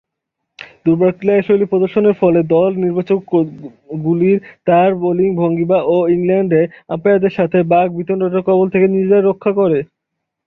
দূর্বল ক্রীড়াশৈলী প্রদর্শনের ফলে দল নির্বাচকমণ্ডলীর তার বোলিং ভঙ্গীমা ও ইংল্যান্ডে আম্পায়ারদের সাথে বাক-বিতণ্ডার কবল থেকে নিজেদের রক্ষা করে।